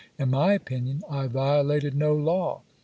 In my opinion, I violated no law.